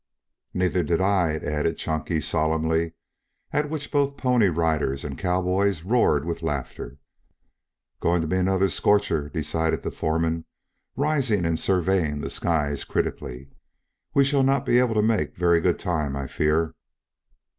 "Neither did I," added Chunky solemnly, at which both Pony Riders and cowboys roared with laughter. "Going to be another scorcher," decided the foreman, rising and surveying the skies critically. "We shall not be able to make very good time, I fear."